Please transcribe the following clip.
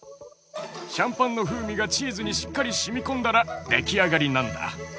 シャンパンの風味がチーズにしっかりしみこんだら出来上がりなんだ。